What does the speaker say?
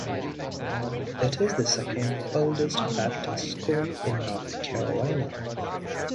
It is the second-oldest Baptist school in North Carolina.